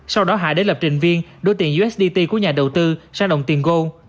sau đó hải đến lập trình viên đối tiền usdt của nhà đầu tư sang đồng tiền gold